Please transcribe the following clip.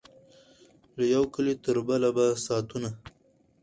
له یوه کلي تر بل به ساعتونه